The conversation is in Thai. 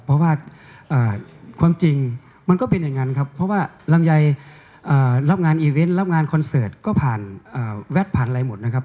เพราะว่าความจริงมันก็เป็นอย่างนั้นครับเพราะว่าลำไยรับงานอีเวนต์รับงานคอนเสิร์ตก็ผ่านแวดผ่านอะไรหมดนะครับ